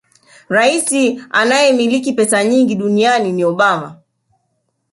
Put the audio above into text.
Rais anayemiliki pesa nyingi duniani ni Obama